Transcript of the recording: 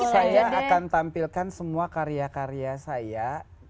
saya akan tampilkan semua karya karya saya